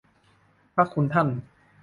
พระคุณท่าน